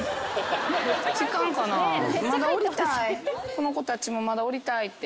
この子たちもまだおりたいって。